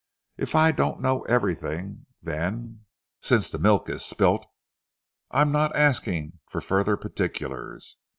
If I don't know everything, then, since the milk is spilt, I'm not asking for further particulars.